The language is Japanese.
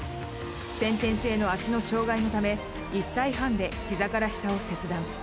先天性の足の障がいのため１歳半でひざから下を切断。